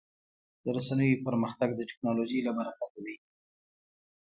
د رسنیو پرمختګ د ټکنالوژۍ له برکته دی.